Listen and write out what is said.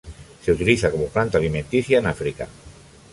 Se utiliza como planta alimenticia en África.